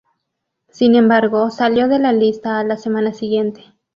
Sin embargo, salió de la lista a la semana siguiente.